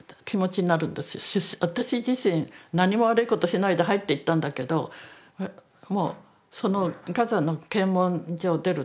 私自身何も悪いことしないで入っていったんだけどもうそのガザの検問所を出るとはあ